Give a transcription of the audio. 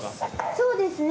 そうですね。